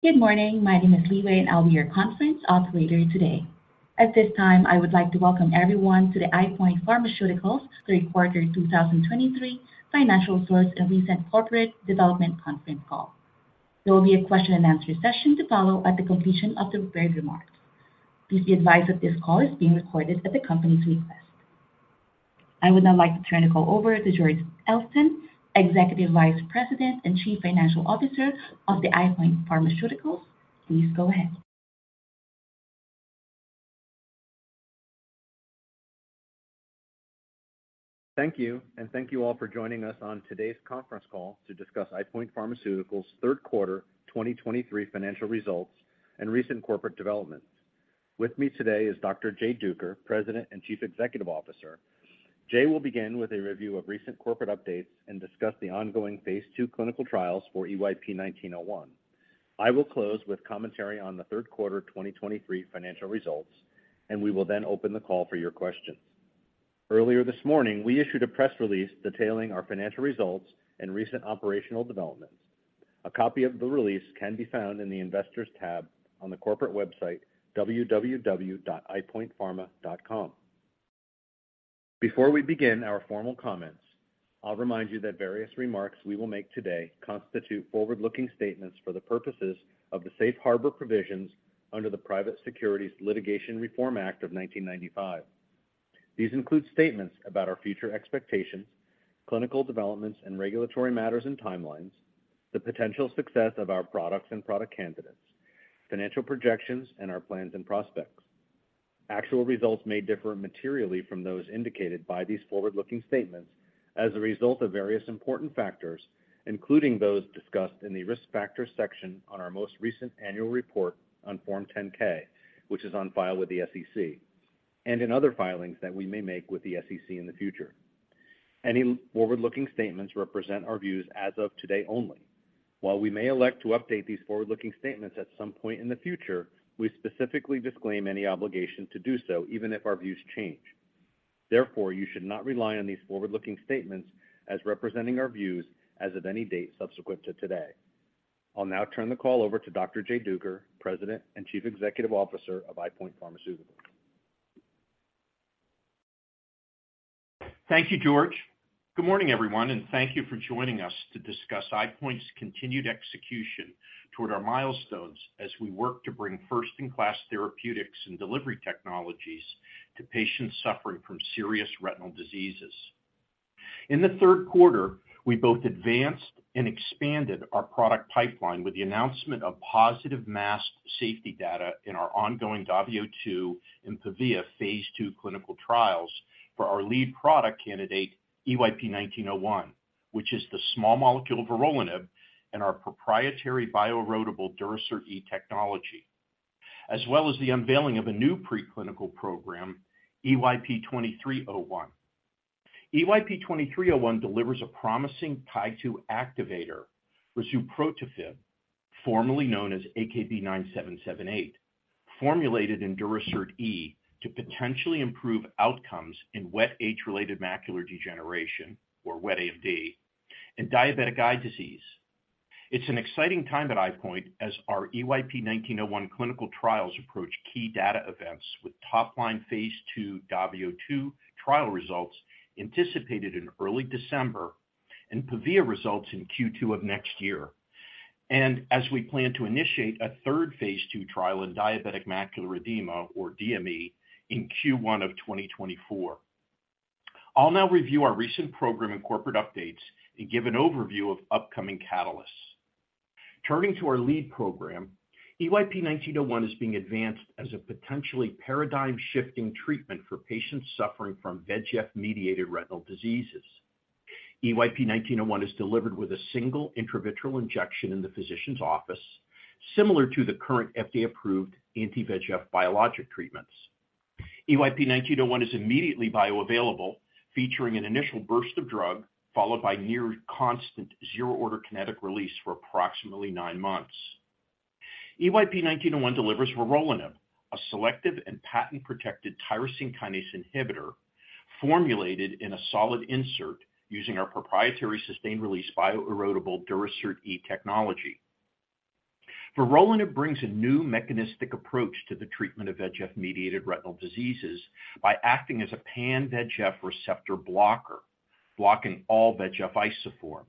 Good morning. My name is Liwei, and I'll be your conference operator today. At this time, I would like to welcome everyone to the EyePoint Pharmaceuticals Third Quarter 2023 Financial Results and Recent Corporate Development Conference Call. There will be a question-and-answer session to follow at the completion of the prepared remarks. Please be advised that this call is being recorded at the company's request. I would now like to turn the call over to George Elston, Executive Vice President and Chief Financial Officer of EyePoint Pharmaceuticals. Please go ahead. Thank you, and thank you all for joining us on today's conference call to discuss EyePoint Pharmaceuticals' Third Quarter 2023 Financial Results and Recent Corporate Developments. With me today is Dr. Jay Duker, President and Chief Executive Officer. Jay will begin with a review of recent corporate updates and discuss the ongoing phase II clinical trials for EYP-1901. I will close with commentary on the third quarter 2023 financial results, and we will then open the call for your questions. Earlier this morning, we issued a press release detailing our financial results and recent operational developments. A copy of the release can be found in the Investors tab on the corporate website, www.eyepointpharma.com. Before we begin our formal comments, I'll remind you that various remarks we will make today constitute forward-looking statements for the purposes of the Safe Harbor Provisions under the Private Securities Litigation Reform Act of 1995. These include statements about our future expectations, clinical developments and regulatory matters and timelines, the potential success of our products and product candidates, financial projections, and our plans and prospects. Actual results may differ materially from those indicated by these forward-looking statements as a result of various important factors, including those discussed in the Risk Factors section on our most recent annual report on Form 10-K, which is on file with the SEC, and in other filings that we may make with the SEC in the future. Any forward-looking statements represent our views as of today only. While we may elect to update these forward-looking statements at some point in the future, we specifically disclaim any obligation to do so, even if our views change. Therefore, you should not rely on these forward-looking statements as representing our views as of any date subsequent to today. I'll now turn the call over to Dr. Jay Duker, President and Chief Executive Officer of EyePoint Pharmaceuticals. Thank you, George. Good morning, everyone, and thank you for joining us to discuss EyePoint's continued execution toward our milestones as we work to bring first-in-class therapeutics and delivery technologies to patients suffering from serious retinal diseases. In the third quarter, we both advanced and expanded our product pipeline with the announcement of positive masked safety data in our ongoing DAVIO 2 and PAVIA phase II clinical trials for our lead product candidate, EYP-1901, which is the small molecule of vorolanib and our proprietary bio-erodible Durasert E technology, as well as the unveiling of a new preclinical program, EYP-2301. EYP-2301 delivers a promising TIE-2 activator, razuprotafib, formerly known as AKB-9778, formulated in Durasert E to potentially improve outcomes in wet age-related macular degeneration, or wet AMD, and diabetic eye disease. It's an exciting time at EyePoint as our EYP-1901 clinical trials approach key data events with top-line phase 2 DAVIO 2 trial results anticipated in early December and PAVIA results in Q2 of next year. As we plan to initiate a third phase II trial in Diabetic Macular Edema, or DME, in Q1 of 2024. I'll now review our recent program and corporate updates and give an overview of upcoming catalysts. Turning to our lead program, EYP-1901 is being advanced as a potentially paradigm-shifting treatment for patients suffering from VEGF-mediated retinal diseases. EYP-1901 is delivered with a single intravitreal injection in the physician's office, similar to the current FDA-approved anti-VEGF biologic treatments. EYP-1901 is immediately bioavailable, featuring an initial burst of drug, followed by near-constant zero-order kinetic release for approximately nine months. EYP-1901 delivers vorolanib, a selective and patent-protected tyrosine kinase inhibitor formulated in a solid insert using our proprietary sustained-release bio-erodible Durasert E™ technology. Vorolanib brings a new mechanistic approach to the treatment of VEGF-mediated retinal diseases by acting as a pan-VEGF receptor blocker, blocking all VEGF isoforms.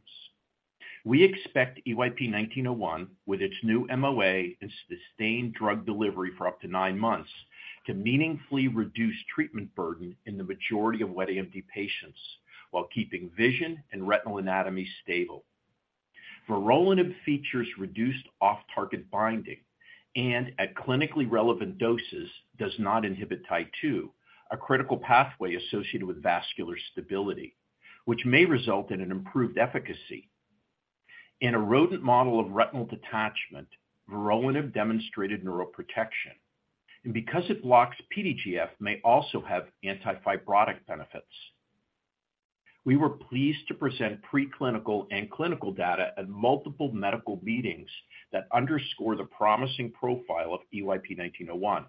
We expect EYP-1901, with its new MOA and sustained drug delivery for up to nine months, to meaningfully reduce treatment burden in the majority of wet AMD patients while keeping vision and retinal anatomy stable. Vorolanib features reduced off-target binding and, at clinically relevant doses, does not inhibit TIE-2, a critical pathway associated with vascular stability, which may result in an improved efficacy. In a rodent model of retinal detachment, vorolanib demonstrated neuroprotection, and because it blocks PDGF, may also have anti-fibrotic benefits. We were pleased to present preclinical and clinical data at multiple medical meetings that underscore the promising profile of EYP-1901....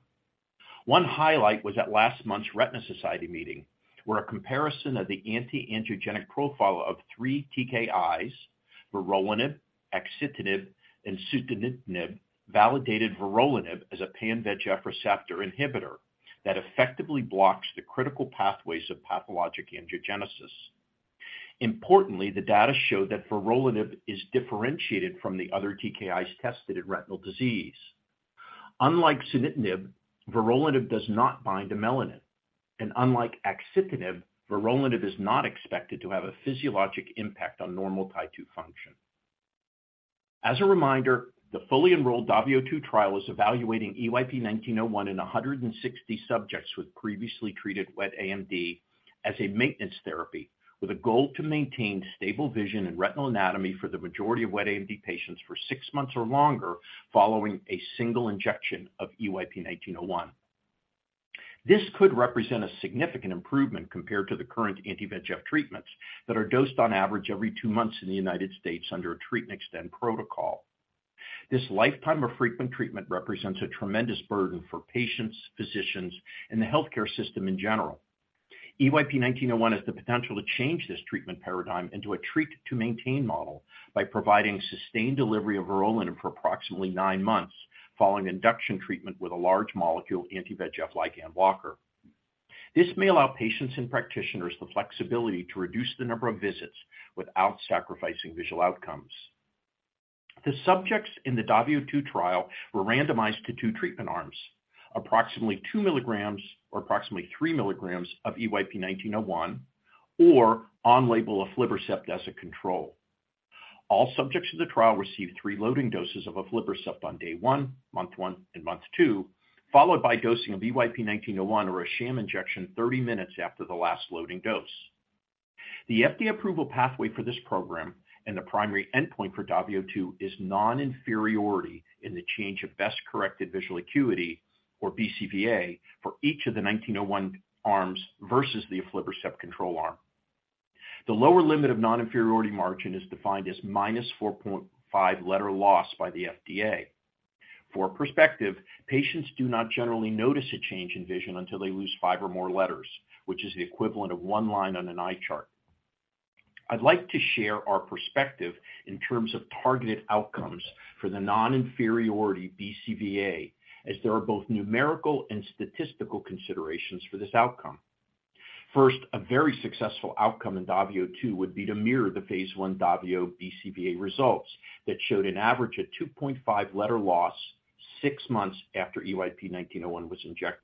One highlight was at last month's Retina Society meeting, where a comparison of the anti-angiogenic profile of three TKIs, vorolanib, axitinib, and sunitinib, validated vorolanib as a pan-VEGF receptor inhibitor that effectively blocks the critical pathways of pathologic angiogenesis. Importantly, the data showed that vorolanib is differentiated from the other TKIs tested in retinal disease. Unlike sunitinib, vorolanib does not bind to melanin, and unlike axitinib, vorolanib is not expected to have a physiologic impact on normal TIE-2 function. As a reminder, the fully enrolled DAVIO 2 trial is evaluating EYP-1901 in 160 subjects with previously treated wet AMD as a maintenance therapy, with a goal to maintain stable vision and retinal anatomy for the majority of wet AMD patients for six months or longer following a single injection of EYP-1901. This could represent a significant improvement compared to the current anti-VEGF treatments that are dosed on average every two months in the United States under a treat-and-extend protocol. This lifetime of frequent treatment represents a tremendous burden for patients, physicians, and the healthcare system in general. EYP-1901 has the potential to change this treatment paradigm into a treat-to-maintain model by providing sustained delivery of vorolanib for approximately nine months following induction treatment with a large-molecule anti-VEGF like Eylea. This may allow patients and practitioners the flexibility to reduce the number of visits without sacrificing visual outcomes. The subjects in the DAVIO 2 trial were randomized to two treatment arms, approximately 2 mg or approximately 3 mg of EYP-1901, or on-label aflibercept as a control. All subjects in the trial received three loading doses of aflibercept on day one, month one, and month two, followed by dosing of EYP-1901 or a sham injection 30 minutes after the last loading dose. The FDA approval pathway for this program and the primary endpoint for DAVIO 2 is non-inferiority in the change of best-corrected visual acuity, or BCVA, for each of the 1901 arms versus the aflibercept control arm. The lower limit of non-inferiority margin is defined as minus 4.5 letter loss by the FDA. For perspective, patients do not generally notice a change in vision until they lose five or more letters, which is the equivalent of one line on an eye chart. I'd like to share our perspective in terms of targeted outcomes for the non-inferiority BCVA, as there are both numerical and statistical considerations for this outcome. First, a very successful outcome in DAVIO 2 would be to mirror the phase I DAVIO BCVA results that showed an average of 2.5 letter loss six months after EYP-1901 was injected.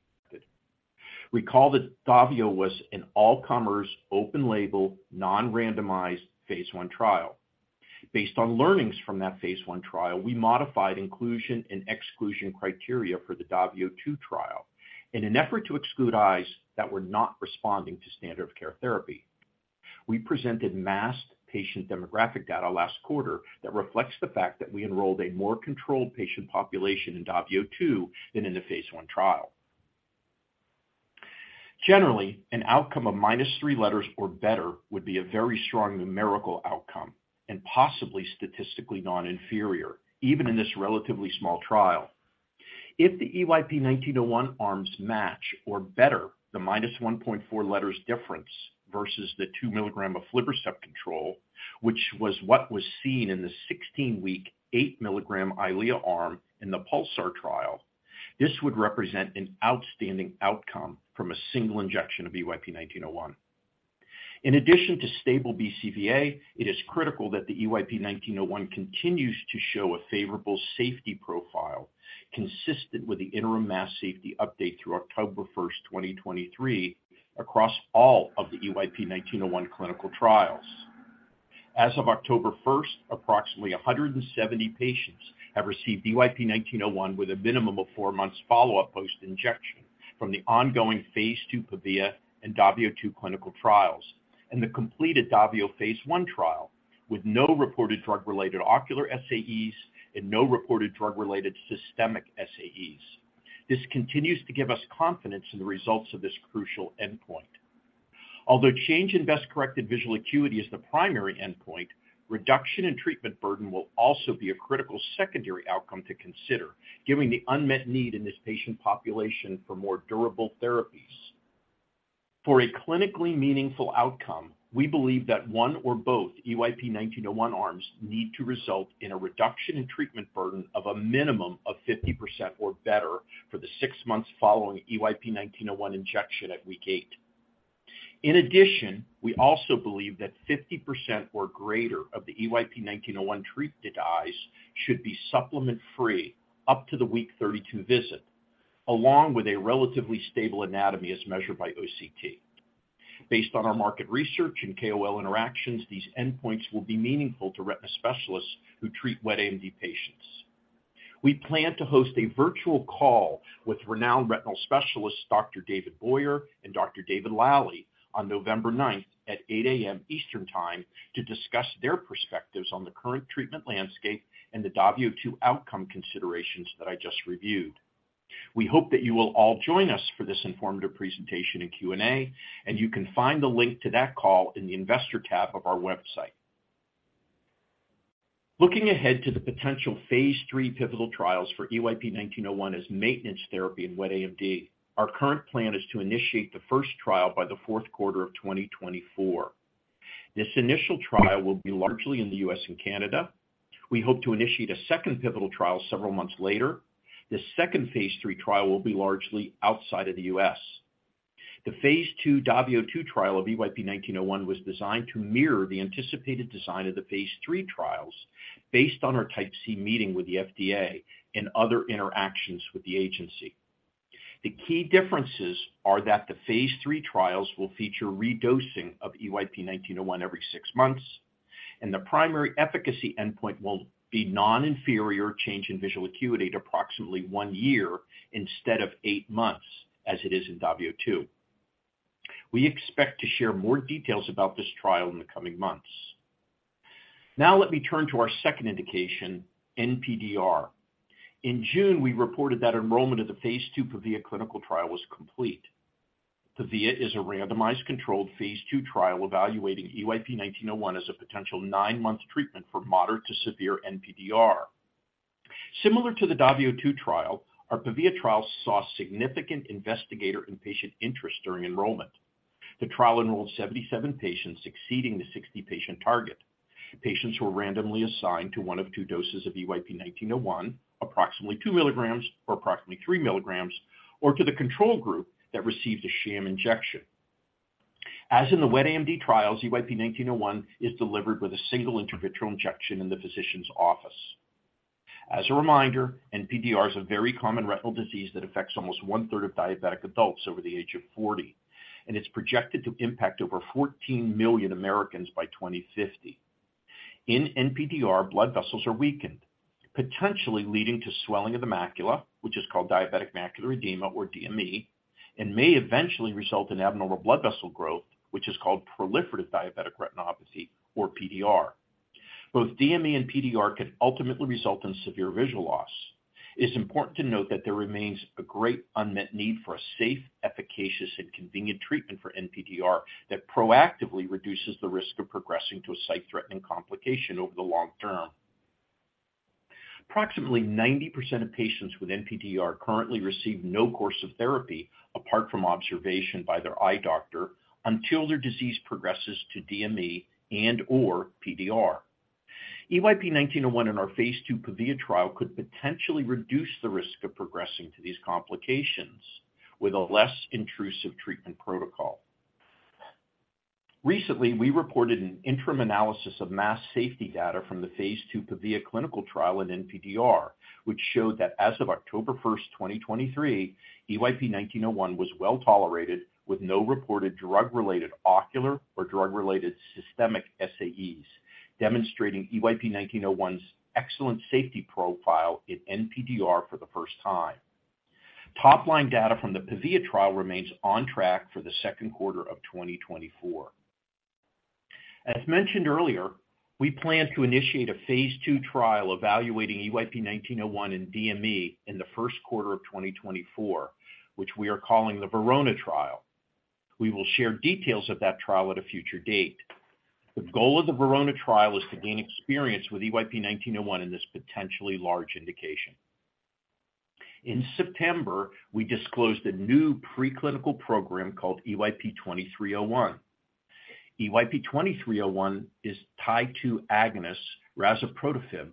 Recall that DAVIO was an all-comers, open-label, non-randomized phase I trial. Based on learnings from that phase I trial, we modified inclusion and exclusion criteria for the DAVIO 2 trial in an effort to exclude eyes that were not responding to standard-of-care therapy. We presented masked patient demographic data last quarter that reflects the fact that we enrolled a more controlled patient population in DAVIO 2 than in the phase I trial. Generally, an outcome of -3 letters or better would be a very strong numerical outcome and possibly statistically non-inferior, even in this relatively small trial. If the EYP-1901 arms match or better, the -1.4 letters difference versus the 2 mg aflibercept control, which was what was seen in the 16-week, 8 mg Eylea arm in the PULSAR trial, this would represent an outstanding outcome from a single injection of EYP-1901. In addition to stable BCVA, it is critical that the EYP-1901 continues to show a favorable safety profile, consistent with the interim masked safety update through October 1st, 2023, across all of the EYP-1901 clinical trials. As of October 1st, approximately 170 patients have received EYP-1901, with a minimum of four months follow-up post-injection from the ongoing phase II PAVIA and DAVIO 2 clinical trials, and the completed DAVIO phase I trial, with no reported drug-related ocular SAEs and no reported drug-related systemic SAEs. This continues to give us confidence in the results of this crucial endpoint. Although change in best-corrected visual acuity is the primary endpoint, reduction in treatment burden will also be a critical secondary outcome to consider, given the unmet need in this patient population for more durable therapies. For a clinically meaningful outcome, we believe that one or both EYP-1901 arms need to result in a reduction in treatment burden of a minimum of 50% or better for the six months following EYP-1901 injection at week eight. In addition, we also believe that 50% or greater of the EYP-1901-treated eyes should be supplement-free up to the week 32 visit, along with a relatively stable anatomy as measured by OCT. Based on our market research and KOL interactions, these endpoints will be meaningful to retina specialists who treat wet AMD patients. We plan to host a virtual call with renowned retinal specialists, Dr. David Boyer and Dr. David Lally, on November 9th at 8:00 A.M. Eastern Time, to discuss their perspectives on the current treatment landscape and the DAVIO 2 outcome considerations that I just reviewed. We hope that you will all join us for this informative presentation and Q&A, and you can find the link to that call in the Investor tab of our website.... Looking ahead to the potential phase III pivotal trials for EYP-1901 as maintenance therapy in wet AMD, our current plan is to initiate the first trial by the fourth quarter of 2024. This initial trial will be largely in the U.S. and Canada. We hope to initiate a second pivotal trial several months later. This second phase III trial will be largely outside of the U.S. The phase II DAVIO 2 trial of EYP-1901 was designed to mirror the anticipated design of the phase III trials based on our Type C meeting with the FDA and other interactions with the agency. The key differences are that the phase III trials will feature redosing of EYP-1901 every six months, and the primary efficacy endpoint will be non-inferior change in visual acuity to approximately one year instead of 8 months, as it is in DAVIO 2. We expect to share more details about this trial in the coming months. Now let me turn to our second indication, NPDR. In June, we reported that enrollment of the phase II PAVIA clinical trial was complete. PAVIA is a randomized controlled phase II trial evaluating EYP-1901 as a potential 9-month treatment for moderate to severe NPDR. Similar to the DAVIO 2 trial, our PAVIA trial saw significant investigator and patient interest during enrollment. The trial enrolled 77 patients, exceeding the 60-patient target. Patients were randomly assigned to one of two doses of EYP-1901, approximately 2 mg or approximately 3 mg, or to the control group that received a sham injection. As in the wet AMD trials, EYP-1901 is delivered with a single intravitreal injection in the physician's office. As a reminder, NPDR is a very common retinal disease that affects almost 1/3 of diabetic adults over the age of 40, and it's projected to impact over 14 million Americans by 2050. In NPDR, blood vessels are weakened, potentially leading to swelling of the macula, which is called diabetic macular edema or DME, and may eventually result in abnormal blood vessel growth, which is called proliferative diabetic retinopathy, or PDR. Both DME and PDR can ultimately result in severe visual loss. It's important to note that there remains a great unmet need for a safe, efficacious, and convenient treatment for NPDR that proactively reduces the risk of progressing to a sight-threatening complication over the long term. Approximately 90% of patients with NPDR currently receive no course of therapy apart from observation by their eye doctor until their disease progresses to DME and/or PDR. EYP-1901 in our phase II PAVIA trial could potentially reduce the risk of progressing to these complications with a less intrusive treatment protocol. Recently, we reported an interim analysis of masked safety data from the phase II PAVIA clinical trial in NPDR, which showed that as of October 1st, 2023, EYP-1901 was well-tolerated with no reported drug-related ocular or drug-related systemic SAEs, demonstrating EYP-1901's excellent safety profile in NPDR for the first time. Top-line data from the PAVIA trial remains on track for the second quarter of 2024. As mentioned earlier, we plan to initiate a phase II trial evaluating EYP-1901 in DME in the first quarter of 2024, which we are calling the VERONA trial. We will share details of that trial at a future date. The goal of the VERONA trial is to gain experience with EYP-1901 in this potentially large indication. In September, we disclosed a new preclinical program called EYP-2301. EYP-2301 is TIE-2 agonist razuprotafib,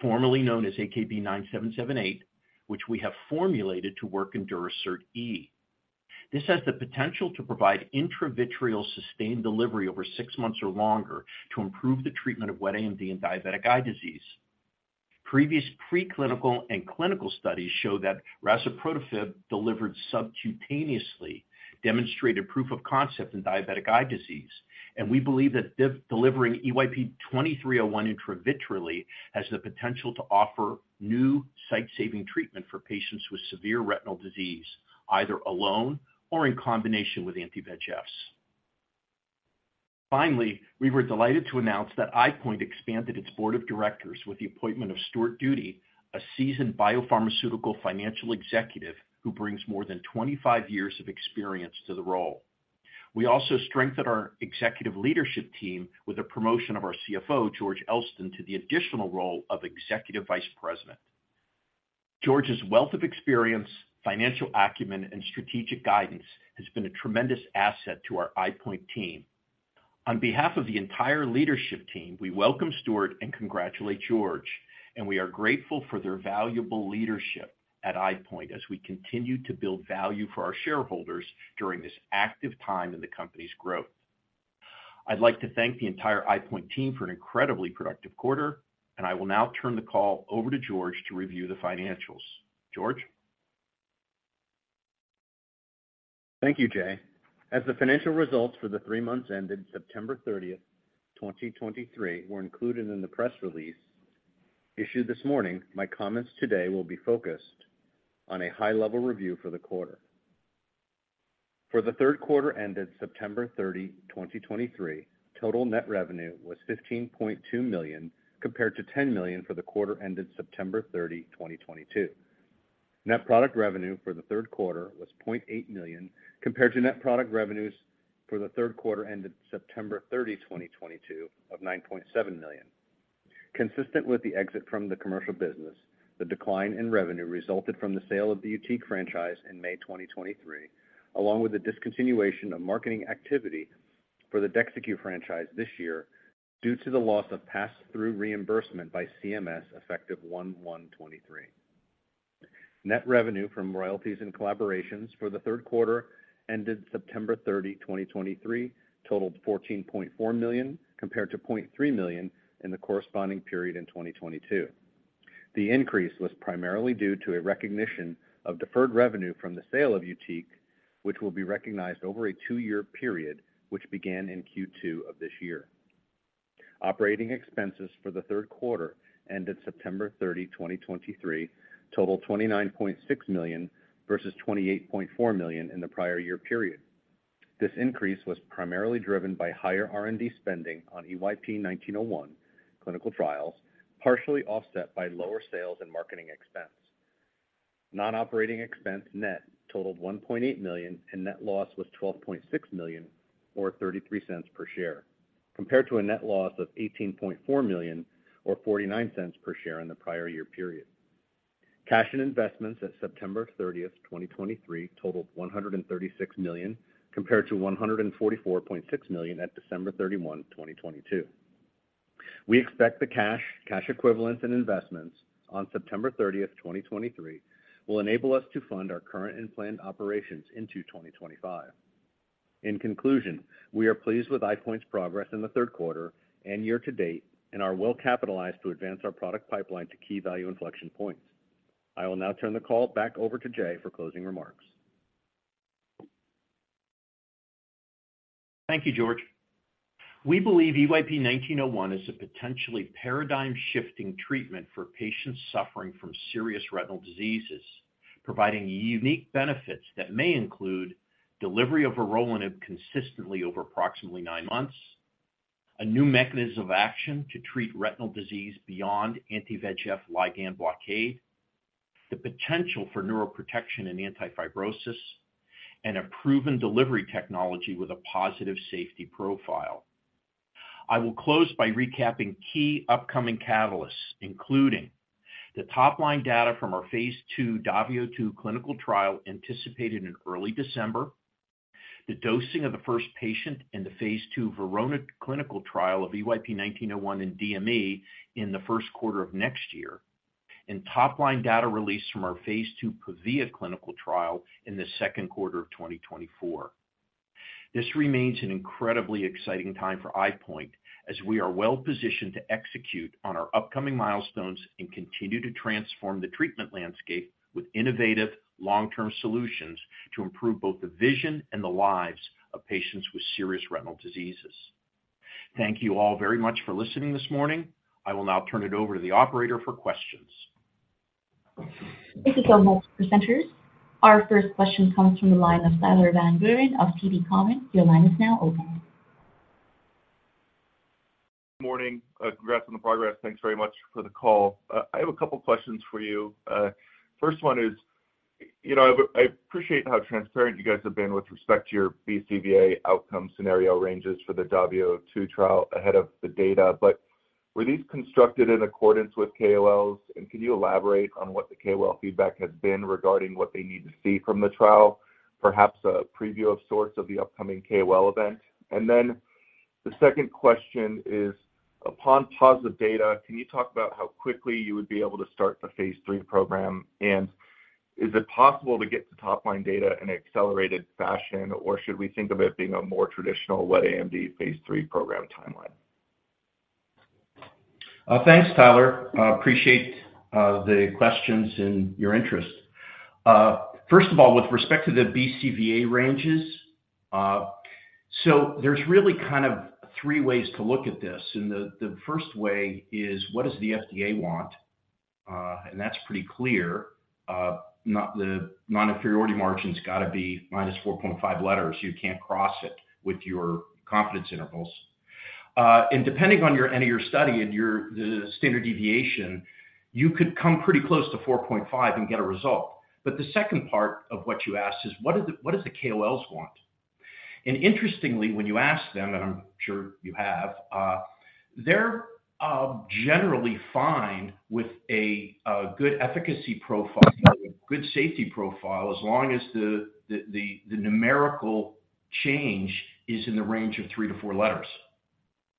formerly known as AKB-9778, which we have formulated to work in Durasert E™. This has the potential to provide intravitreal sustained delivery over six months or longer to improve the treatment of wet AMD and diabetic eye disease. Previous preclinical and clinical studies show that razuprotafib delivered subcutaneously demonstrated proof of concept in diabetic eye disease, and we believe that delivering EYP-2301 intravitreally has the potential to offer new sight-saving treatment for patients with severe retinal disease, either alone or in combination with anti-VEGFs. Finally, we were delighted to announce that EyePoint expanded its board of directors with the appointment of Stuart Duty, a seasoned biopharmaceutical financial executive who brings more than 25 years of experience to the role. We also strengthened our executive leadership team with a promotion of our CFO, George Elston, to the additional role of Executive Vice President. George's wealth of experience, financial acumen, and strategic guidance has been a tremendous asset to our EyePoint team. On behalf of the entire leadership team, we welcome Stuart and congratulate George, and we are grateful for their valuable leadership at EyePoint as we continue to build value for our shareholders during this active time in the company's growth. I'd like to thank the entire EyePoint team for an incredibly productive quarter, and I will now turn the call over to George to review the financials. George? Thank you, Jay. As the financial results for the three months ended September 30th, 2023, were included in the press release issued this morning, my comments today will be focused on a high-level review for the quarter. For the third quarter ended September 30, 2023, total net revenue was $15.2 million, compared to $10 million for the quarter ended September 30, 2022. Net product revenue for the third quarter was $0.8 million, compared to net product revenues for the third quarter ended September 30, 2022 of $9.7 million. Consistent with the exit from the commercial business, the decline in revenue resulted from the sale of the YUTIQ franchise in May 2023, along with the discontinuation of marketing activity for the DEXYCU franchise this year, due to the loss of pass-through reimbursement by CMS, effective 1/1/2023. Net revenue from royalties and collaborations for the third quarter ended September 30, 2023, totaled $14.4 million, compared to $0.3 million in the corresponding period in 2022. The increase was primarily due to a recognition of deferred revenue from the sale of YUTIQ, which will be recognized over a two-year period, which began in Q2 of this year. Operating expenses for the third quarter ended September 30, 2023, totaled $29.6 million versus $28.4 million in the prior year period. This increase was primarily driven by higher R&D spending on EYP-1901 clinical trials, partially offset by lower sales and marketing expense. Non-operating expense net totaled $1.8 million, and net loss was $12.6 million, or $0.33 per share, compared to a net loss of $18.4 million, or $0.49 per share in the prior year period. Cash and investments at September 30, 2023, totaled $136 million, compared to $144.6 million at December 31, 2022. We expect the cash, cash equivalents and investments on September 30, 2023, will enable us to fund our current and planned operations into 2025. In conclusion, we are pleased with EyePoint's progress in the third quarter and year-to-date, and are well capitalized to advance our product pipeline to key value inflection points. I will now turn the call back over to Jay for closing remarks. Thank you, George. We believe EYP-1901 is a potentially paradigm-shifting treatment for patients suffering from serious retinal diseases, providing unique benefits that may include delivery of vorolanib consistently over approximately nine months, a new mechanism of action to treat retinal disease beyond anti-VEGF ligand blockade, the potential for neuroprotection and anti-fibrosis, and a proven delivery technology with a positive safety profile. I will close by recapping key upcoming catalysts, including the top-line data from our phase II DAVIO 2 clinical trial, anticipated in early December, the dosing of the first patient in the phase II VERONA clinical trial of EYP-1901 in DME in the first quarter of next year, and top-line data release from our phase II PAVIA clinical trial in the second quarter of 2024. This remains an incredibly exciting time for EyePoint, as we are well positioned to execute on our upcoming milestones and continue to transform the treatment landscape with innovative, long-term solutions to improve both the vision and the lives of patients with serious retinal diseases. Thank you all very much for listening this morning. I will now turn it over to the operator for questions. Thank you so much, presenters. Our first question comes from the line of Tyler Van Buren of TD Cowen. Your line is now open. Morning. Congrats on the progress. Thanks very much for the call. I have a couple questions for you. First one is, you know, I appreciate how transparent you guys have been with respect to your BCVA outcome scenario ranges for the DAVIO 2 trial ahead of the data, but were these constructed in accordance with KOLs? And can you elaborate on what the KOL feedback has been regarding what they need to see from the trial? Perhaps a preview of sorts of the upcoming KOL event. And then the second question is, upon positive data, can you talk about how quickly you would be able to start the phase III program? And is it possible to get the top-line data in an accelerated fashion, or should we think of it being a more traditional wet AMD phase III program timeline? Thanks, Tyler. Appreciate the questions and your interest. First of all, with respect to the BCVA ranges, so there's really kind of three ways to look at this. And the first way is, what does the FDA want? And that's pretty clear. Not the non-inferiority margin's got to be -4.5 letters. You can't cross it with your confidence intervals. And depending on your end of your study and your, the standard deviation, you could come pretty close to 4.5 and get a result. But the second part of what you asked is: what do the, what do the KOLs want? Interestingly, when you ask them, and I'm sure you have, they're generally fine with a good efficacy profile, a good safety profile, as long as the numerical change is in the range of 3-4 letters.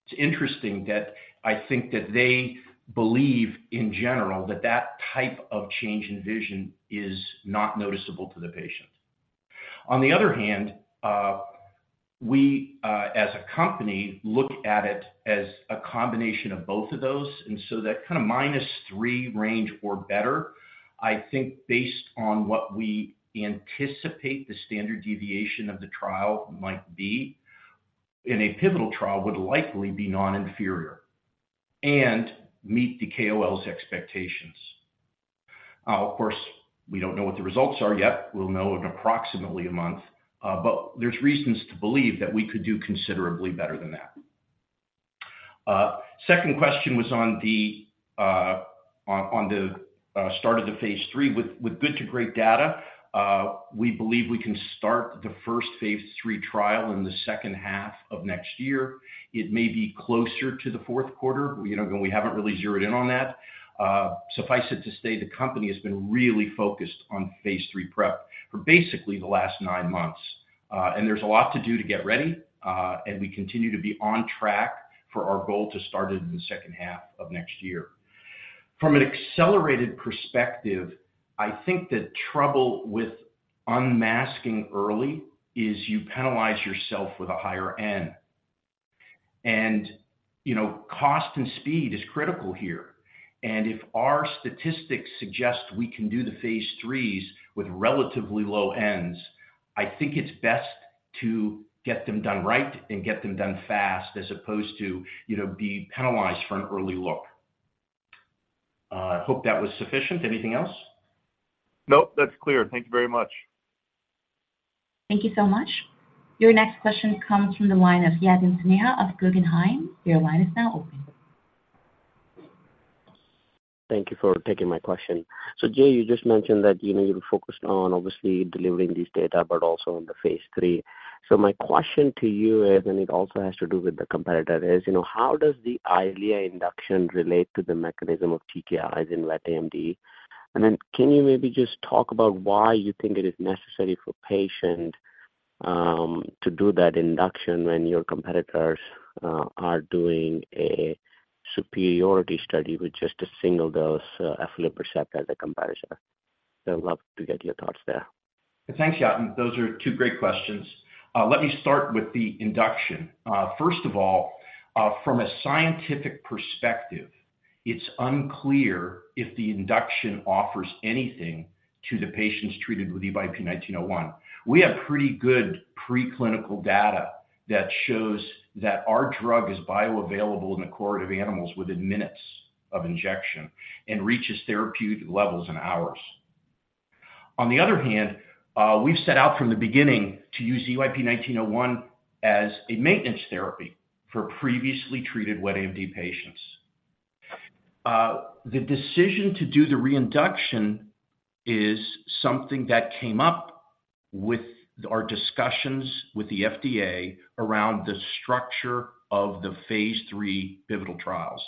It's interesting that I think that they believe in general, that that type of change in vision is not noticeable to the patient. On the other hand, we as a company, look at it as a combination of both of those, and so that kind of -3 range or better, I think, based on what we anticipate the standard deviation of the trial might be, in a pivotal trial, would likely be non-inferior and meet the KOL's expectations. Of course, we don't know what the results are yet. We'll know in approximately a month, but there's reasons to believe that we could do considerably better than that. Second question was on the start of the phase III. With good to great data, we believe we can start the first phase III trial in the second half of next year. It may be closer to the fourth quarter, you know, and we haven't really zeroed in on that. Suffice it to say, the company has been really focused on phase III prep for basically the last nine months. And there's a lot to do to get ready, and we continue to be on track for our goal to start it in the second half of next year. From an accelerated perspective, I think the trouble with unmasking early is you penalize yourself with a higher N. You know, cost and speed is critical here. If our statistics suggest we can do the phase III with relatively low ends, I think it's best to get them done right and get them done fast, as opposed to, you know, be penalized for an early look. I hope that was sufficient. Anything else? Nope, that's clear. Thank you very much. Thank you so much. Your next question comes from the line of Yatin Suneja of Guggenheim. Your line is now open. Thank you for taking my question. So, Jay, you just mentioned that, you know, you're focused on obviously delivering this data, but also on the phase III. So my question to you is, and it also has to do with the competitor, is, you know, how does the Eylea induction relate to the mechanism of TKIs in wet AMD? And then can you maybe just talk about why you think it is necessary for patient to do that induction when your competitors are doing a superiority study with just a single dose aflibercept as a comparison? So I'd love to get your thoughts there. Thanks, Yatin. Those are two great questions. Let me start with the induction. First of all, from a scientific perspective, it's unclear if the induction offers anything to the patients treated with EYP-1901. We have pretty good preclinical data that shows that our drug is bioavailable in the cohort of animals within minutes of injection and reaches therapeutic levels in hours. On the other hand, we've set out from the beginning to use EYP-1901 as a maintenance therapy for previously treated wet AMD patients. The decision to do the reinduction is something that came up with our discussions with the FDA around the structure of the phase III pivotal trials.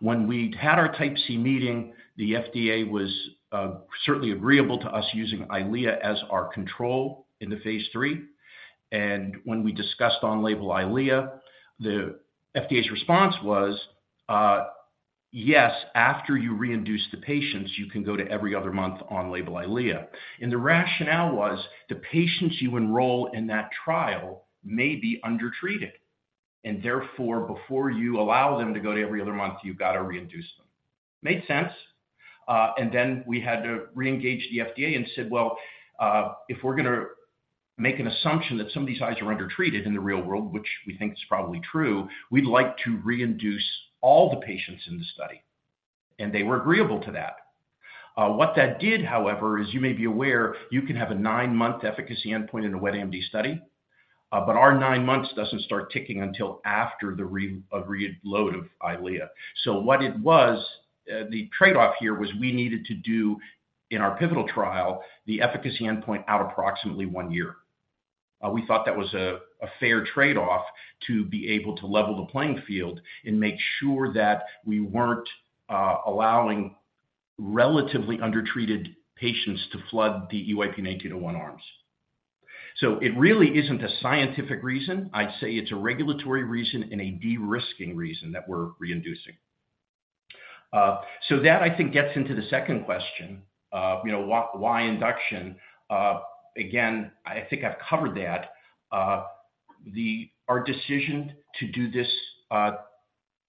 When we'd had our Type C meeting, the FDA was certainly agreeable to us using Eylea as our control in the phase III. And when we discussed on-label Eylea, the FDA's response was, "Yes, after you reinduce the patients, you can go to every other month on label Eylea." And the rationale was, the patients you enroll in that trial may be undertreated, and therefore, before you allow them to go to every other month, you've got to reinduce them. Made sense. And then we had to reengage the FDA and said, "Well, if we're gonna make an assumption that some of these eyes are undertreated in the real world, which we think is probably true, we'd like to reinduce all the patients in the study." And they were agreeable to that. What that did, however, as you may be aware, you can have a nine-month efficacy endpoint in a wet AMD study. But our nine months doesn't start ticking until after the reload of Eylea. So what it was, the trade-off here was we needed to do in our pivotal trial, the efficacy endpoint out approximately one year. We thought that was a fair trade-off to be able to level the playing field and make sure that we weren't allowing relatively undertreated patients to flood the EYP-1901 arms. So it really isn't a scientific reason. I'd say it's a regulatory reason and a de-risking reason that we're reinducing. So that, I think, gets into the second question, you know, why, why induction? Again, I think I've covered that. Our decision to do this,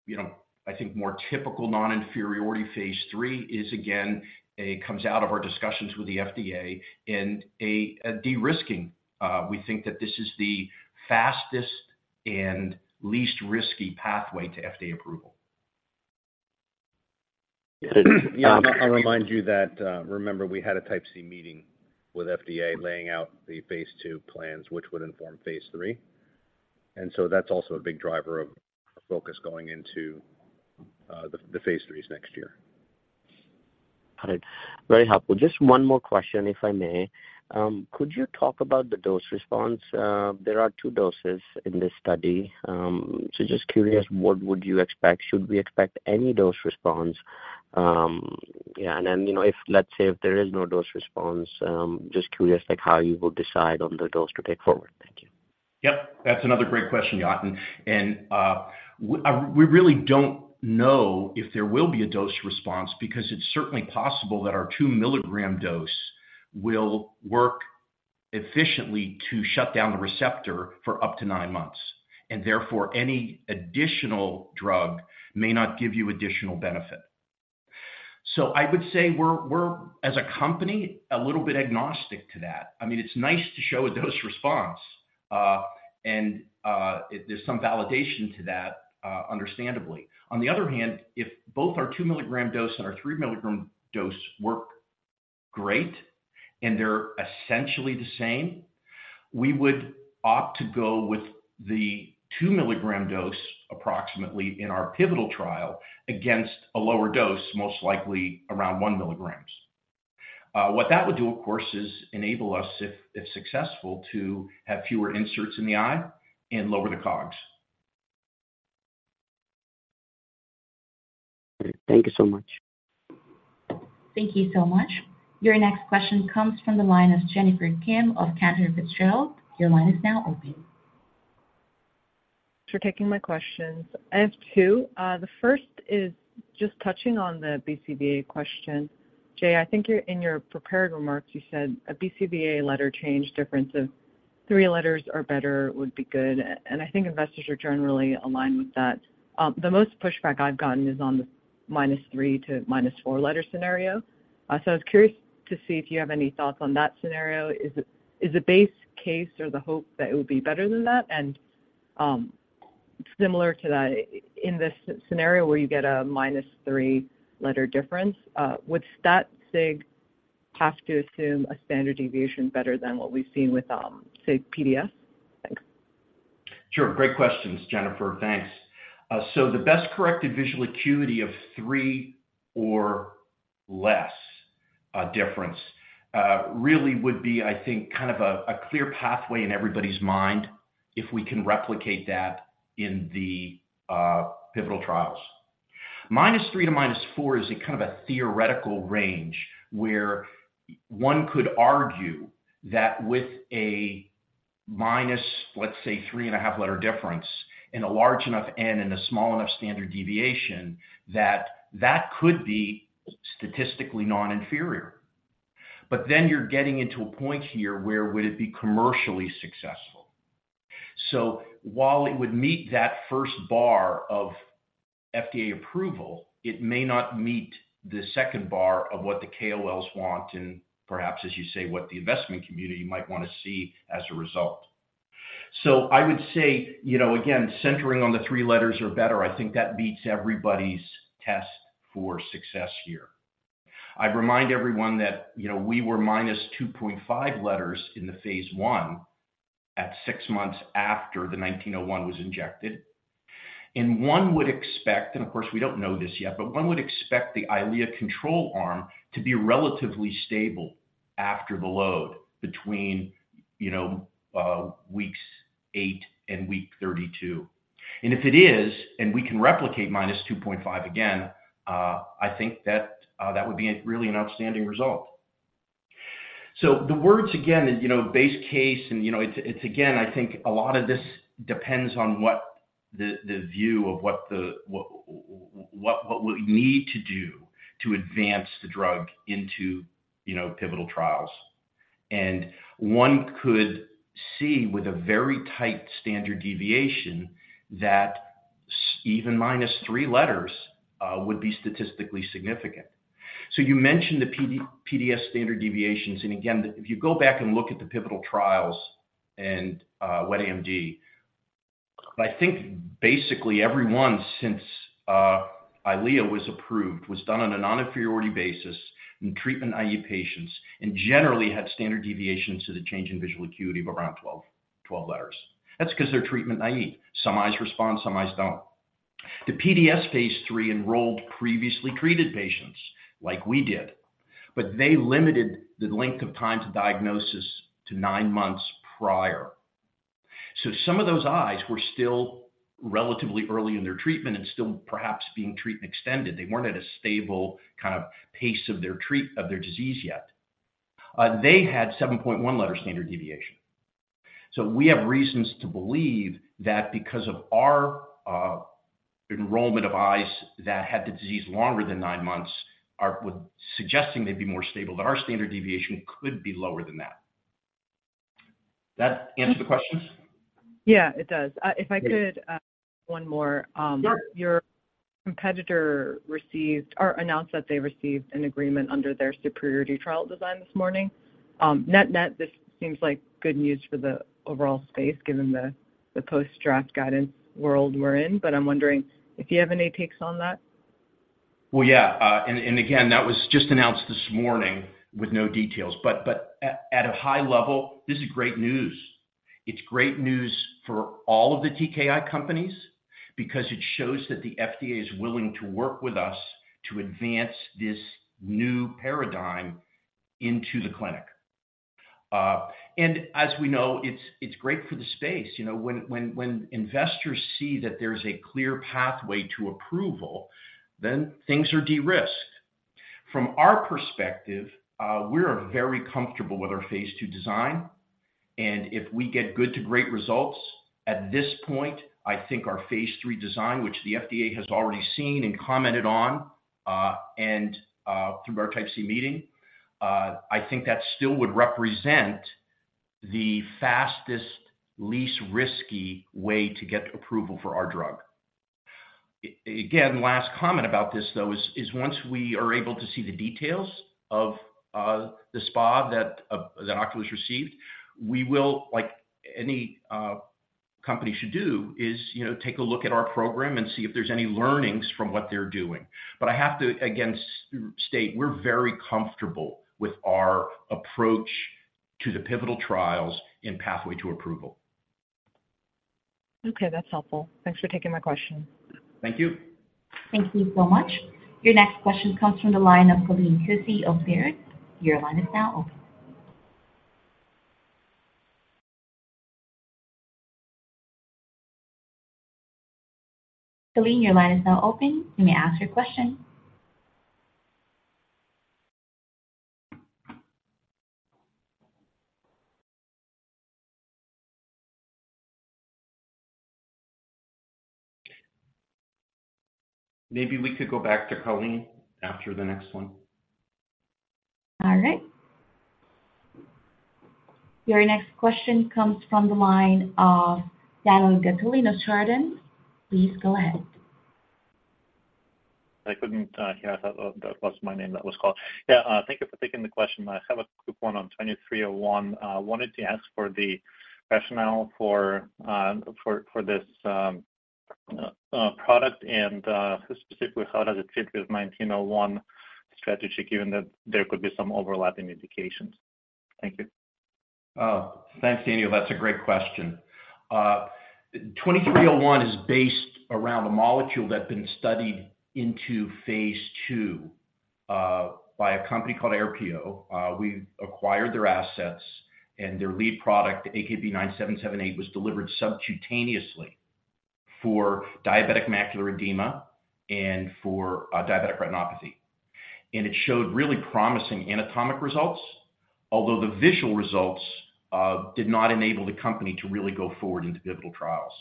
you know, I think more typical non-inferiority phase 3 is, again, it comes out of our discussions with the FDA and a de-risking. We think that this is the fastest and least risky pathway to FDA approval. Yeah, I'll remind you that, remember we had a Type C meeting with FDA, laying out the phase II plans, which would inform phase III. And so that's also a big driver of focus going into, the phase III next year. Got it. Very helpful. Just one more question, if I may. Could you talk about the dose response? There are two doses in this study. So just curious, what would you expect? Should we expect any dose response? Yeah, and then, you know, if, let's say, if there is no dose response, just curious, like, how you will decide on the dose to take forward. Thank you. Yep, that's another great question, Yatin. And we really don't know if there will be a dose response, because it's certainly possible that our 2 mg dose will work efficiently to shut down the receptor for up to nine months, and therefore, any additional drug may not give you additional benefit. So I would say we're, as a company, a little bit agnostic to that. I mean, it's nice to show a dose response, and there's some validation to that, understandably. On the other hand, if both our 2 mg dose and our 3 mg dose work great, and they're essentially the same, we would opt to go with the 2 mg dose approximately in our pivotal trial against a lower dose, most likely around 1 milligrams. What that would do, of course, is enable us, if successful, to have fewer inserts in the eye and lower the COGs. Thank you so much. Thank you so much. Your next question comes from the line of Jennifer Kim of Cantor Fitzgerald. Your line is now open. Thanks for taking my questions. I have two. The first is just touching on the BCVA question. Jay, I think you, in your prepared remarks, you said a BCVA letter change difference of three letters or better would be good, and I think investors are generally aligned with that. The most pushback I've gotten is on the -3 to -4 letter scenario. So I was curious to see if you have any thoughts on that scenario. Is the base case or the hope that it would be better than that? And, similar to that, in this scenario where you get a -3 letter difference, would stat sig have to assume a standard deviation better than what we've seen with, say, PDS? Thanks. Sure. Great questions, Jennifer. Thanks. So the best-corrected visual acuity of three or less difference really would be, I think, kind of a clear pathway in everybody's mind if we can replicate that in the pivotal trials. -3 to -4 is a kind of a theoretical range, where one could argue that with a minus, let's say, 3.5 letter difference in a large enough N and a small enough standard deviation, that that could be statistically non-inferior. But then you're getting into a point here where, would it be commercially successful? So while it would meet that first bar of FDA approval, it may not meet the second bar of what the KOLs want and perhaps, as you say, what the investment community might want to see as a result. So I would say, you know, again, centering on the three letters or better, I think that meets everybody's test for success here. I'd remind everyone that, you know, we were minus 2.5 letters in the phase I at six months after the EYP-1901 was injected. And one would expect, and of course, we don't know this yet, but one would expect the Eylea control arm to be relatively stable after the load between, you know, weeks eight and week 32. And if it is, and we can replicate -2.5 again, I think that that would be a really an outstanding result. So the words again, and, you know, base case and, you know, it's, it's again, I think a lot of this depends on what the, the view of what the, what we need to do to advance the drug into, you know, pivotal trials. And one could see with a very tight standard deviation, that even - 3 letters would be statistically significant. So you mentioned the PDS standard deviations, and again, if you go back and look at the pivotal trials and wet AMD, I think basically every one since Eylea was approved was done on a non-inferiority basis in treatment-naive patients, and generally had standard deviations to the change in visual acuity of around 12, 12 letters. That's because they're treatment naive. Some eyes respond, some eyes don't. The PDS phase III enrolled previously treated patients like we did, but they limited the length of time to diagnosis to nine months prior. So some of those eyes were still relatively early in their treatment and still perhaps being treatment extended. They weren't at a stable kind of pace of their treatment of their disease yet. They had 7.1-letter standard deviation. So we have reasons to believe that because of our enrollment of eyes that had the disease longer than nine months, suggesting they'd be more stable, that our standard deviation could be lower than that. That answer the questions? Yeah, it does. If I could- Great. One more Sure. Your competitor received or announced that they received an agreement under their superiority trial design this morning. Net-net, this seems like good news for the overall space, given the post-draft guidance world we're in. But I'm wondering if you have any takes on that? Well, yeah. And again, that was just announced this morning with no details, but at a high level, this is great news. It's great news for all of the TKI companies, because it shows that the FDA is willing to work with us to advance this new paradigm into the clinic. And as we know, it's great for the space. You know, when investors see that there's a clear pathway to approval, then things are de-risked. From our perspective, we're very comfortable with our phase II design, and if we get good to great results, at this point, I think our phase III design, which the FDA has already seen and commented on, and through our Type C meeting, I think that still would represent the fastest, least risky way to get approval for our drug. Again, last comment about this, though, is once we are able to see the details of the SPA that Oculus received, we will, like any company should do, you know, take a look at our program and see if there's any learnings from what they're doing. But I have to, again, state, we're very comfortable with our approach to the pivotal trials and pathway to approval. Okay, that's helpful. Thanks for taking my question. Thank you. Thank you so much. Your next question comes from the line of Colleen Kusy of Baird. Your line is now open. Colleen, your line is now open. You may ask your question. Maybe we could go back to Colleen after the next one. All right. Your next question comes from the line of Daniil Gataulin of Chardan. Please go ahead. I couldn't hear. I thought that was my name that was called. Yeah, thank you for taking the question. I have a quick one on EYP-2301. Wanted to ask for the rationale for this product, and specifically, how does it fit with EYP-1901 strategy, given that there could be some overlapping indications? Thank you. Oh, thanks, Daniel. That's a great question. 2301 is based around a molecule that's been studied into phase II by a company called Aerpio. We've acquired their assets, and their lead product, AKB-9778, was delivered subcutaneously for diabetic macular edema and for diabetic retinopathy. And it showed really promising anatomic results, although the visual results did not enable the company to really go forward into pivotal trials.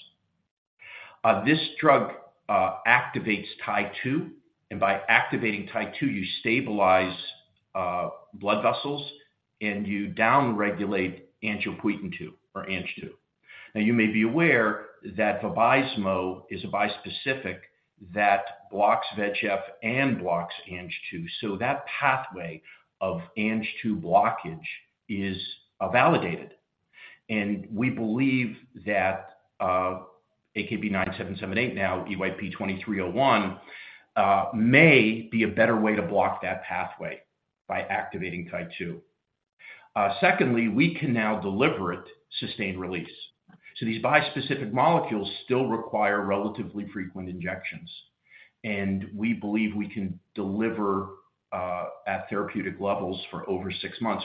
This drug activates TIE-2, and by activating TIE-2, you stabilize blood vessels, and you downregulate Angiopoietin-2, or Ang-2. Now, you may be aware that Vabysmo is a bispecific that blocks VEGF and blocks Ang-2, so that pathway of Ang-2 blockage is validated. And we believe that AKB-9778, now EYP-2301, may be a better way to block that pathway by activating TIE-2. Secondly, we can now deliver it sustained release. So these bispecific molecules still require relatively frequent injections, and we believe we can deliver at therapeutic levels for over six months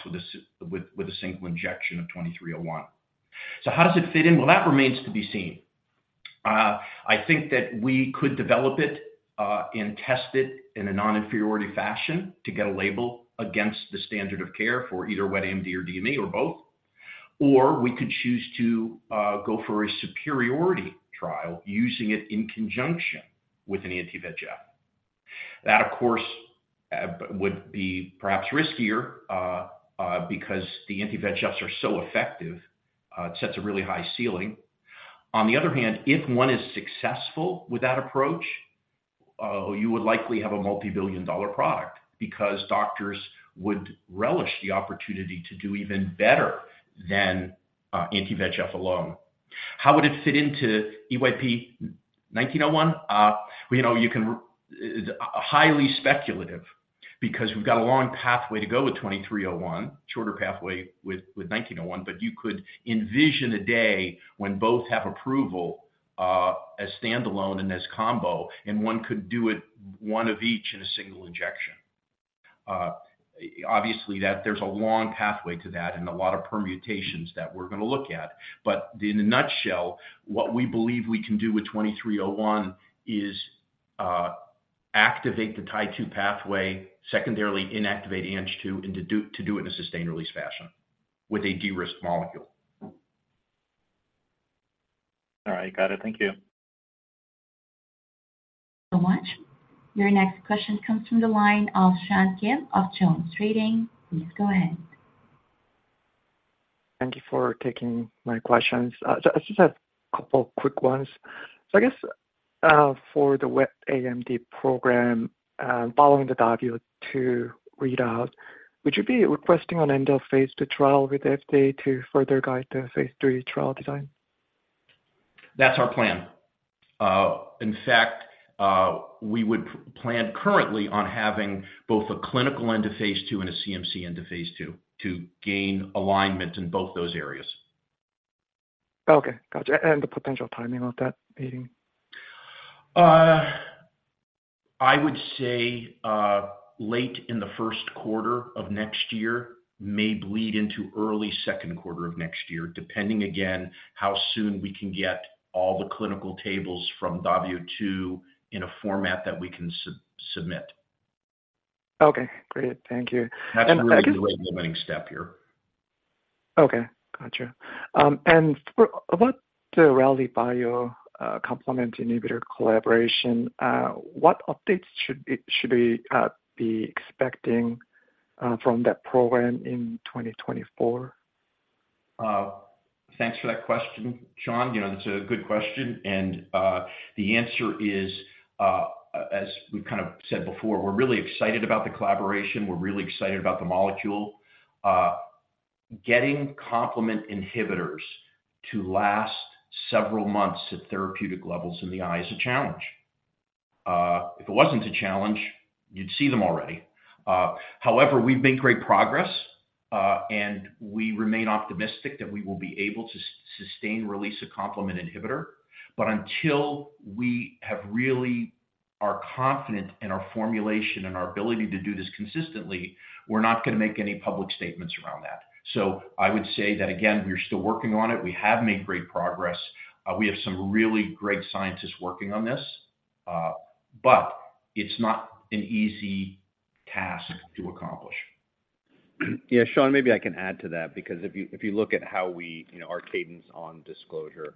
with a single injection of EYP-2301. So how does it fit in? Well, that remains to be seen. I think that we could develop it and test it in a non-inferiority fashion to get a label against the standard of care for either wet AMD or DME, or both. Or we could choose to go for a superiority trial using it in conjunction with an anti-VEGF. That, of course, would be perhaps riskier because the anti-VEGFs are so effective, it sets a really high ceiling. On the other hand, if one is successful with that approach, you would likely have a multibillion-dollar product because doctors would relish the opportunity to do even better than, anti-VEGF alone. How would it fit into EYP-1901? You know, you can highly speculative, because we've got a long pathway to go with 2301, shorter pathway with, with 1901, but you could envision a day when both have approval, as standalone and as combo, and one could do it one of each in a single injection. Obviously, that- there's a long pathway to that and a lot of permutations that we're going to look at. In a nutshell, what we believe we can do with EYP-2301 is activate the TIE-2 pathway, secondarily inactivate Ang-2, and to do it in a sustained release fashion with a de-risked molecule. All right. Got it. Thank you. So much. Your next question comes from the line of Sean Kim of JonesTrading. Please go ahead. Thank you for taking my questions. So I just have a couple of quick ones. So I guess, for the wet AMD program, following the DAVIO 2 readout, would you be requesting an end of phase II trial with the FDA to further guide the phase III trial design? That's our plan. In fact, we would plan currently on having both a clinical end of phase II and a CMC end of phase II, to gain alignment in both those areas. Okay. Gotcha. And the potential timing of that meeting? I would say, late in the first quarter of next year, may bleed into early second quarter of next year, depending, again, how soon we can get all the clinical tables from DAVIO 2 in a format that we can submit. Okay, great. Thank you. That's a really, really limiting step here. Okay, gotcha. About the Rallybio complement inhibitor collaboration, what updates should we be expecting from that program in 2024? Thanks for that question, Sean. You know, that's a good question, and the answer is, as we've kind of said before, we're really excited about the collaboration. We're really excited about the molecule. Getting complement inhibitors to last several months at therapeutic levels in the eye is a challenge... if it wasn't a challenge, you'd see them already. However, we've made great progress, and we remain optimistic that we will be able to sustain release a complement inhibitor. But until we have really are confident in our formulation and our ability to do this consistently, we're not gonna make any public statements around that. So I would say that again, we are still working on it. We have made great progress. We have some really great scientists working on this, but it's not an easy task to accomplish. Yeah, Sean, maybe I can add to that, because if you look at how we, you know, our cadence on disclosure,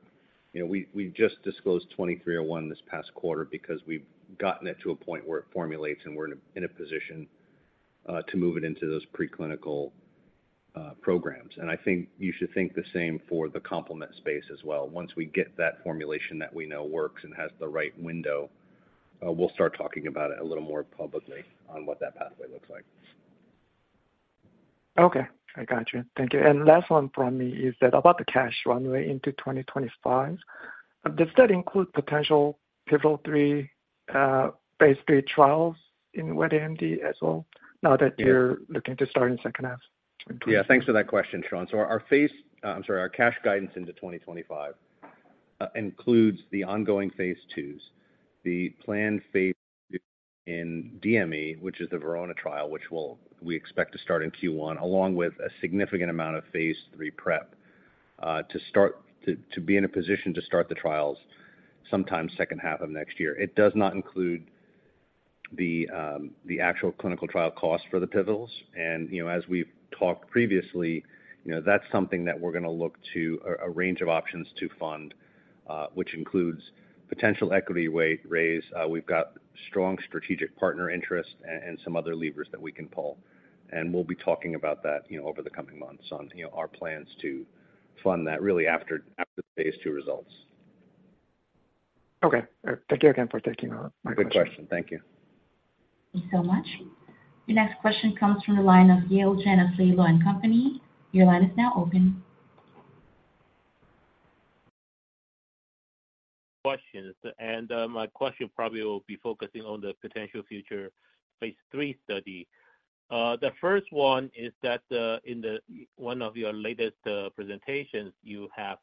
you know, we've just disclosed EYP-2301 this past quarter because we've gotten it to a point where it formulates and we're in a position to move it into those preclinical programs. And I think you should think the same for the complement space as well. Once we get that formulation that we know works and has the right window, we'll start talking about it a little more publicly on what that pathway looks like. Okay, I got you. Thank you. And last one from me is that about the cash runway into 2025, does that include potential pivotal three, phase III trials in wet AMD as well, now that- Yes You're looking to start in second half? Yeah, thanks for that question, Sean. So our phase—I'm sorry, our cash guidance into 2025 includes the ongoing phase IIs, the planned phase II in DME, which is the VERONA trial, which we'll, we expect to start in Q1, along with a significant amount of phase III prep, to start. To be in a position to start the trials sometime second half of next year. It does not include the actual clinical trial costs for the pivotals. And, you know, as we've talked previously, you know, that's something that we're gonna look to a range of options to fund, which includes potential equity weight raise. We've got strong strategic partner interest and some other levers that we can pull. We'll be talking about that, you know, over the coming months on, you know, our plans to fund that really after the phase II results. Okay. Thank you again for taking my question. Good question. Thank you. Thank you so much. Your next question comes from the line of Yale Jen of Laidlaw & Company. Your line is now open. Question, and my question probably will be focusing on the potential future phase III study. The first one is that in one of your latest presentations, you have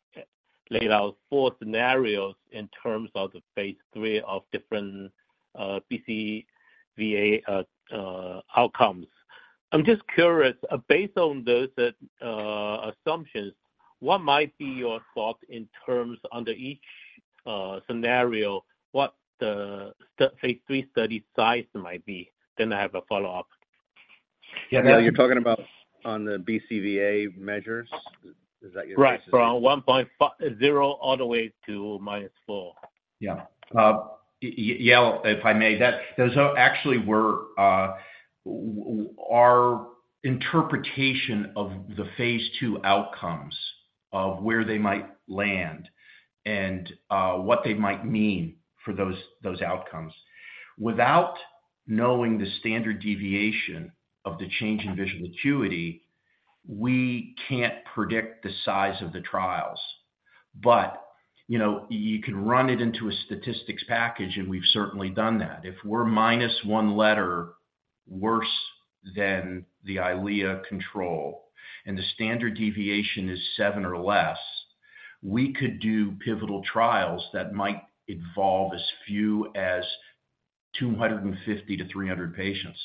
laid out four scenarios in terms of the phase III of different BCVA outcomes. I'm just curious, based on those assumptions, what might be your thought in terms under each scenario, what the phase III study size might be? Then I have a follow-up. Yeah, you're talking about on the BCVA measures? Is that your- Right. From 1.0 all the way to -4. Yeah. Yale, if I may, those are actually our interpretation of the phase II outcomes of where they might land and what they might mean for those outcomes. Without knowing the standard deviation of the change in visual acuity, we can't predict the size of the trials. But, you know, you can run it into a statistics package, and we've certainly done that. If we're minus one letter worse than the Eylea control and the standard deviation is seven or less, we could do pivotal trials that might involve as few as 250-300 patients.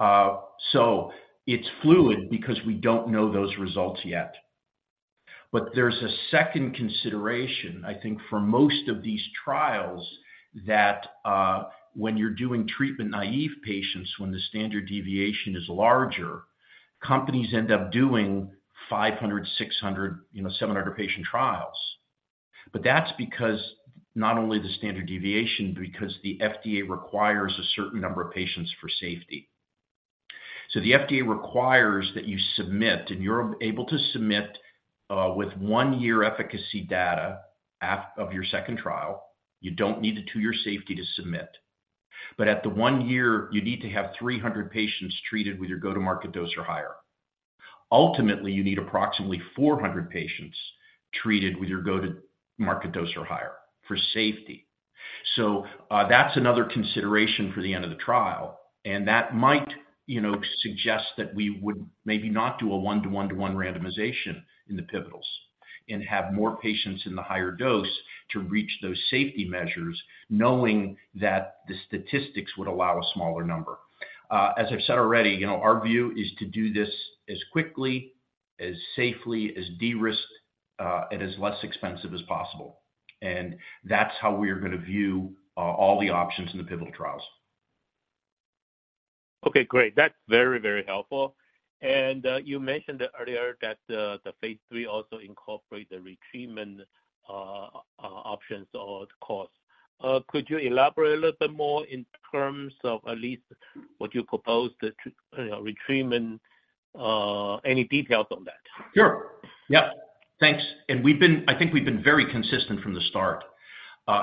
So it's fluid because we don't know those results yet. But there's a second consideration, I think, for most of these trials, that, when you're doing treatment-naive patients, when the standard deviation is larger, companies end up doing 500, 600, you know, 700 patient trials. But that's because not only the standard deviation, because the FDA requires a certain number of patients for safety. So the FDA requires that you submit, and you're able to submit, with one year efficacy data of your second trial. You don't need the two-year safety to submit, but at the one year, you need to have 300 patients treated with your go-to-market dose or higher. Ultimately, you need approximately 400 patients treated with your go-to-market dose or higher for safety. So, that's another consideration for the end of the trial, and that might, you know, suggest that we would maybe not do a 1:1:1 randomization in the pivotals and have more patients in the higher dose to reach those safety measures, knowing that the statistics would allow a smaller number. As I've said already, you know, our view is to do this as quickly, as safely, as de-risked, and as less expensive as possible. And that's how we are gonna view all the options in the pivotal trials. Okay, great. That's very, very helpful. And you mentioned earlier that the phase III also incorporate the retreatment options or costs. Could you elaborate a little bit more in terms of at least what you propose the retreatment any details on that? Sure. Yeah, thanks. I think we've been very consistent from the start.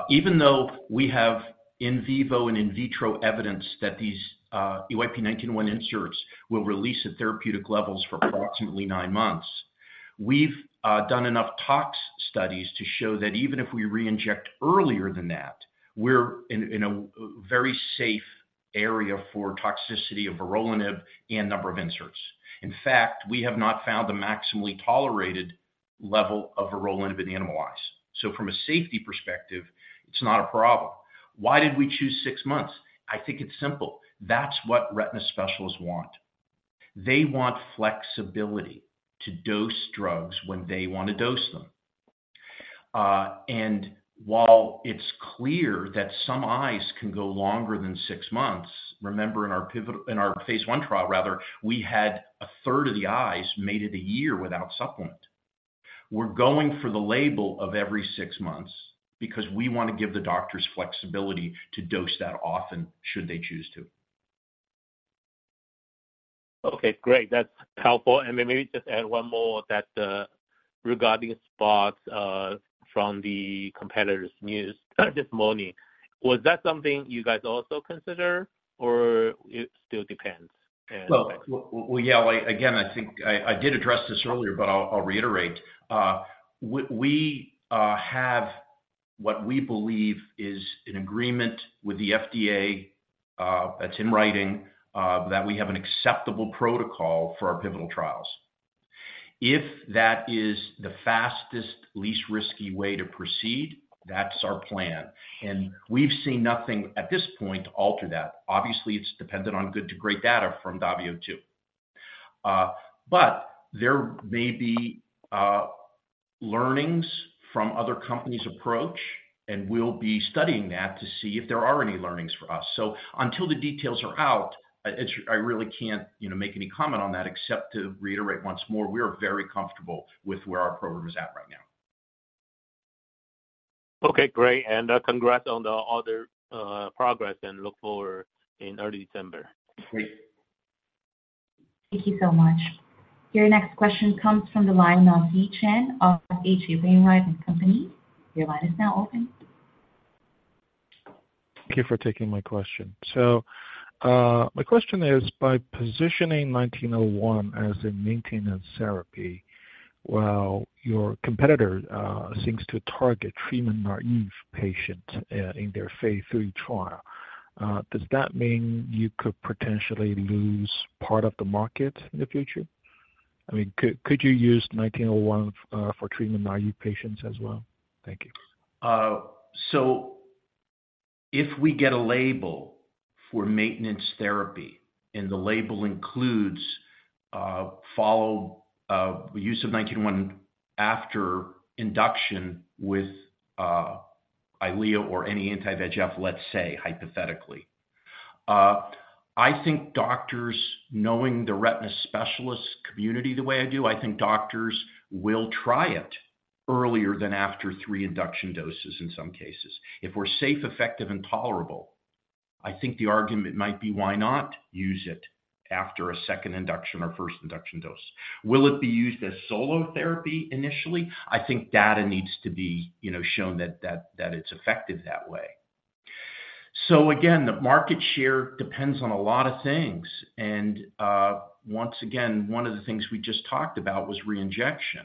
Even though we have in vivo and in vitro evidence that these EYP-1901 inserts will release at therapeutic levels for approximately nine months, we've done enough tox studies to show that even if we reinject earlier than that. We're in a very safe area for toxicity of vorolanib and number of inserts. In fact, we have not found the maximally tolerated level of vorolanib in animal eyes. So from a safety perspective, it's not a problem. Why did we choose six months? I think it's simple. That's what retina specialists want. They want flexibility to dose drugs when they want to dose them. And while it's clear that some eyes can go longer than six months, remember in our phase I trial, rather, we had a third of the eyes made it a year without supplement. We're going for the label of every six months because we want to give the doctors flexibility to dose that often, should they choose to. Okay, great. That's helpful. And then maybe just add one more that, regarding spots, from the competitor's news this morning. Was that something you guys also consider, or it still depends? Well, yeah. Again, I think I did address this earlier, but I'll reiterate. We have what we believe is an agreement with the FDA that's in writing that we have an acceptable protocol for our pivotal trials. If that is the fastest, least risky way to proceed, that's our plan, and we've seen nothing at this point to alter that. Obviously, it's dependent on good to great data from DAVIO 2. But there may be learnings from other companies' approach, and we'll be studying that to see if there are any learnings for us. So until the details are out, I really can't, you know, make any comment on that, except to reiterate once more, we are very comfortable with where our program is at right now. Okay, great, and congrats on the other progress, and look forward in early December. Great. Thank you so much. Your next question comes from the line of Yi Chen of H.C. Wainwright & Company. Your line is now open. Thank you for taking my question. So, my question is, by positioning 1901 as a maintenance therapy, while your competitor seeks to target treatment-naive patient in their phase III trial, does that mean you could potentially lose part of the market in the future? I mean, could you use 1901 for treatment-naive patients as well? Thank you. So if we get a label for maintenance therapy, and the label includes, follow, the use of 1901 after induction with, Eylea or any anti-VEGF, let's say, hypothetically, I think doctors, knowing the retina specialist community the way I do, I think doctors will try it earlier than after three induction doses in some cases. If we're safe, effective, and tolerable, I think the argument might be, why not use it after a second induction or first induction dose? Will it be used as solo therapy initially? I think data needs to be, you know, shown that it's effective that way. So again, the market share depends on a lot of things. And, once again, one of the things we just talked about was reinjection.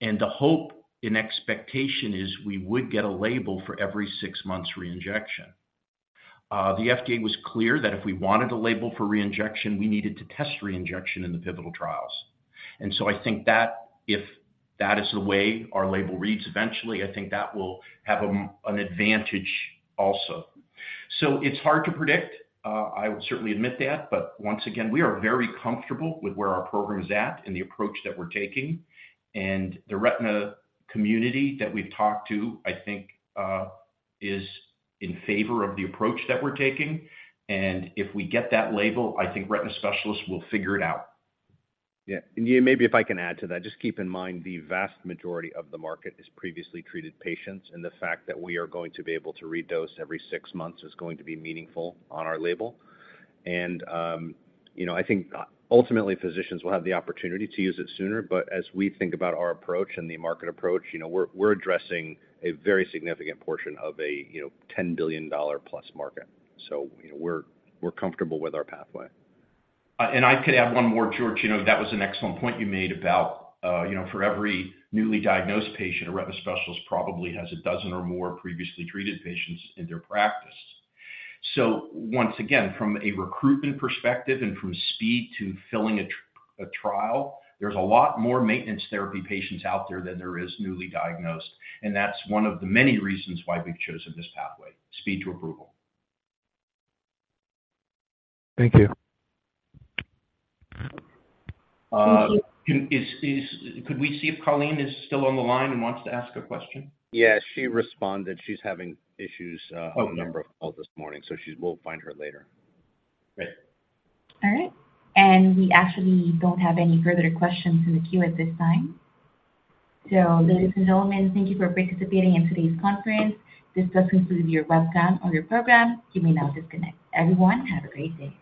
And the hope and expectation is we would get a label for every six months reinjection. The FDA was clear that if we wanted a label for reinjection, we needed to test reinjection in the pivotal trials. And so I think that if that is the way our label reads, eventually, I think that will have a, an advantage also. So it's hard to predict. I would certainly admit that, but once again, we are very comfortable with where our program is at and the approach that we're taking. And the retina community that we've talked to, I think, is in favor of the approach that we're taking. And if we get that label, I think retina specialists will figure it out. Yeah, and yeah, maybe if I can add to that, just keep in mind, the vast majority of the market is previously treated patients, and the fact that we are going to be able to redose every six months is going to be meaningful on our label. And, you know, I think ultimately physicians will have the opportunity to use it sooner, but as we think about our approach and the market approach, you know, we're, we're addressing a very significant portion of a, you know, $10 billion+ market. So, you know, we're, we're comfortable with our pathway. And I could add one more, George. You know, that was an excellent point you made about, you know, for every newly diagnosed patient, a retina specialist probably has a dozen or more previously treated patients in their practice. So once again, from a recruitment perspective and from speed to filling a trial, there's a lot more maintenance therapy patients out there than there is newly diagnosed, and that's one of the many reasons why we've chosen this pathway, speed to approval. Thank you. Thank you. Could we see if Colleen is still on the line and wants to ask a question? Yeah, she responded. She's having issues- Okay. -a number of calls this morning, so we'll find her later. Great. All right. And we actually don't have any further questions in the queue at this time. So ladies and gentlemen, thank you for participating in today's conference. This does conclude your webcast on your program. You may now disconnect. Everyone, have a great day.